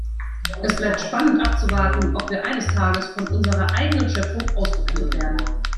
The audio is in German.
Es bleibt spannend abzuwarten, ob wir eines Tages von unserer eigenen Schöpfung ausgerottet werden.